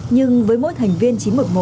nhưng với mỗi thành viên chín trăm một mươi một